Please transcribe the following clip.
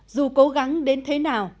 dù cố gắng đến thế nào